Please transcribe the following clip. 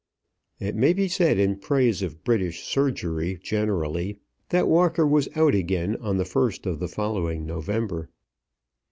It may be said in praise of British surgery generally that Walker was out again on the first of the following November.